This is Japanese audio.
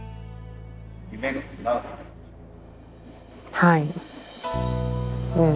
はい。